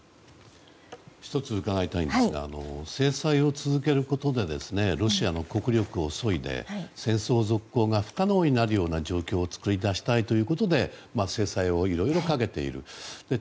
１つ伺いたいんですが制裁を続けることでロシアの国力をそいで戦争続行が不可能になる状況を作り出したいと制裁をいろいろかけていると。